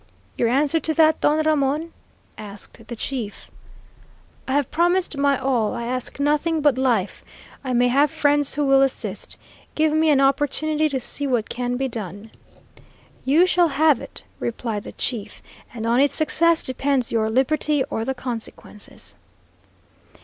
"Your answer to that, Don Ramon?" asked the chief. "I have promised my all. I ask nothing but life. I may have friends who will assist. Give me an opportunity to see what can be done." "You shall have it," replied the chief, "and on its success depends your liberty or the consequences."